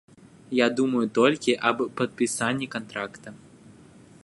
Я думаю толькі аб падпісанні кантракта.